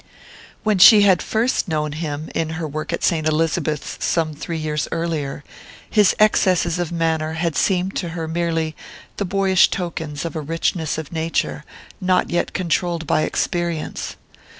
When she had first known him, in her work at St. Elizabeth's some three years earlier, his excesses of manner had seemed to her merely the boyish tokens of a richness of nature not yet controlled by experience.